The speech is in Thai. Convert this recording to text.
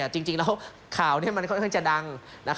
จริงแล้วข่าวนี้มันค่อนข้างจะดัง